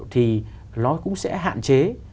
thì nó cũng sẽ hạn chế